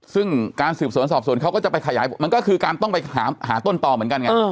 ซึ่งการสืบสวนสอบสวนเขาก็จะไปขยายมันก็คือการต้องไปหาต้นต่อเหมือนกันไง